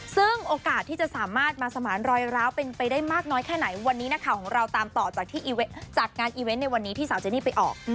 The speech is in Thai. ซึ่งโอกาสที่จะสามารถมาสมานรอยร้าวเป็นไปได้มากน้อยแค่ไหนวันนี้นักข่าวของเราตามต่อจากงานอีเวนต์ในวันนี้ที่สาวเจนี่ไปออก